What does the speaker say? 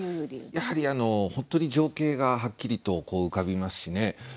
やはり本当に情景がはっきりと浮かびますしね。